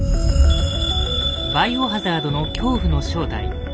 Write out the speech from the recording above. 「バイオハザード」の恐怖の正体。